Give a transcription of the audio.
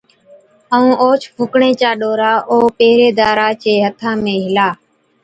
ائُون اوهچ ڦوڪڻي چا ڏورا او پهريدارا چي هٿا ۾ هِلا۔